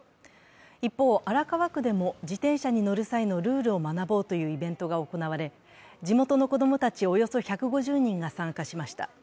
一方、荒川区でも自転車に乗る際のルールを学ぼうというイベントが行われ、地元の子どもたちおよそ１５０人が参加しました。